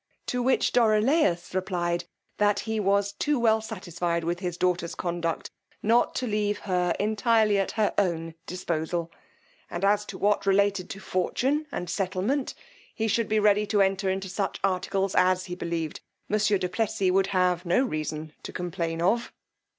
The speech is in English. To which Dorilaus replied, that he was too well satisfied with his daughter's conduct, not to leave her entirely at her own disposal; and as to what related to fortune and settlement, he should be ready to enter into such articles as, he believed, monsieur du Plessis would have no reason to complain of.